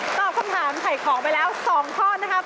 ตอบสำหรับไขของไปแล้ว๒ข้อนะครับ